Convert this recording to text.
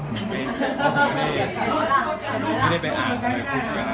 ไม่ได้ไม่ได้เป็นอาหารคุณแล้วนะคะ